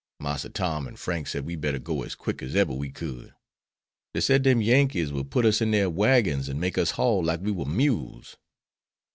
Massa Tom and Frank said we'd better go as quick as eber we could. Dey said dem Yankees would put us in dere wagons and make us haul like we war mules.